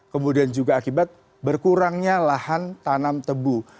kemudian juga akibat berkurangnya lahan tanam tebu